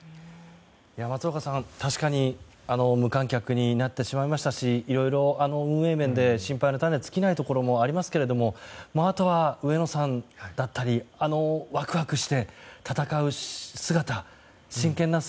松岡さん、確かに無観客になってしまいましたしいろいろ、運営面で心配の種が尽きないところはありますがあとは上野さんだったりワクワクして戦う姿、真剣な姿。